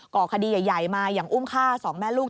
ก่อคดีใหญ่มาอย่างอุ้มฆ่าสองแม่ลูก